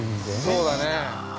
◆そうだね。